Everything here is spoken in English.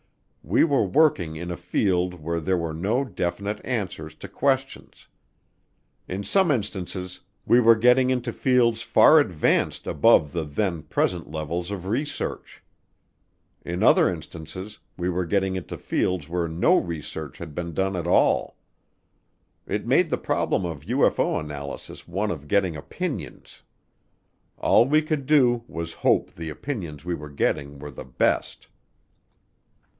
We were working in a field where there were no definite answers to questions. In some instances we were getting into fields far advanced above the then present levels of research. In other instances we were getting into fields where no research had been done at all. It made the problem of UFO analysis one of getting opinions. All we could do was hope the opinions we were getting were the best.